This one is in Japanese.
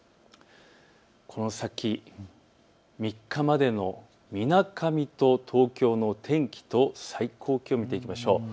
この先３日までのみなかみと東京の天気と最高気温を見ていきましょう。